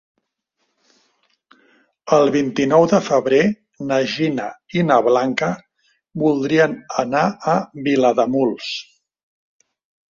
El vint-i-nou de febrer na Gina i na Blanca voldrien anar a Vilademuls.